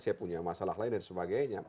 saya punya masalah lain dan sebagainya